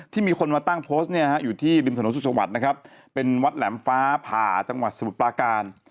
มีคนมาตั้งโพสต์เนี่ยฮะอยู่ที่ริมถนนสุขสวัสดิ์นะครับเป็นวัดแหลมฟ้าผ่าจังหวัดสมุทรปลาการ